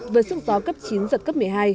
với sức gió cấp chín giật cấp một mươi hai